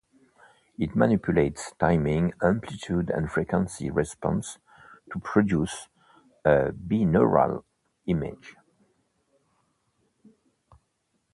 It manipulates timing, amplitude and frequency response to produce a binaural image.